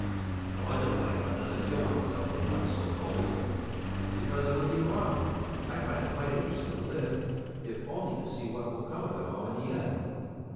"I wonder why one doesn't kill oneself when one is so cold." "Because it would be wrong. I find it quite interesting to live, if only to see what will come of it all in the end."